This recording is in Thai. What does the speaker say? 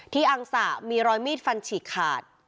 อังสะมีรอยมีดฟันฉีกขาด